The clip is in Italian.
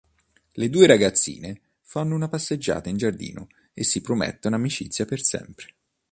Le due ragazzine fanno una passeggiata in giardino e si promettono amicizia per sempre.